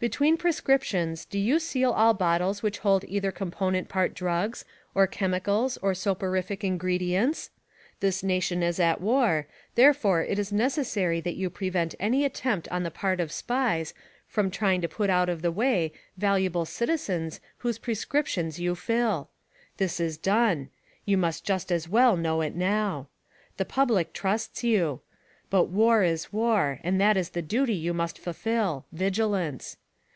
Between prescriptions do you seal ali bottles which hold either component part drugs, or chemicals or soporific ingredients? This nation is at war, therefore it is necessary that you prevent any attempt on the part of SPIES from trying to put out of the way valuable citizens whose prescriptions you fill. This is done. You might just as well know it now. The public trusts you. But war is war, and that is the duty you must fulfill: Vigilance.